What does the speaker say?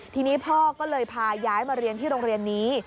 ทีนี้พ่อก็เลยพาย้ายมาเรียนที่โรงเรียนนี้